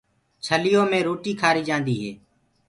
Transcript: ڇليو مي روٽيٚ کآريٚ جآنٚديٚ هي